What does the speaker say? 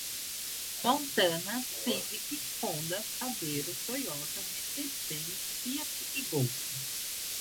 Montana, Civic, Honda, Savero, Toyota, Mercedez Bens, Fiat, Golf